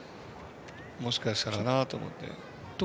もしかしたらなと思って。